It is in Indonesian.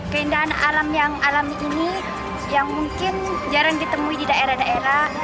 keindahan alam yang alami ini yang mungkin jarang ditemui di daerah daerah